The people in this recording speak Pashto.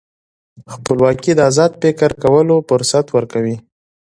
خپلواکي د ازاد فکر کولو فرصت ورکوي.